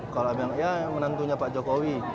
kalau bilang ya menantunya pak jokowi